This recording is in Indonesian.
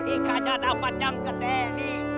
ikannya dapat yang gede